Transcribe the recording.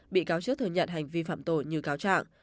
bị cáo trước thừa nhận hành vi phạm tội như cáo trạng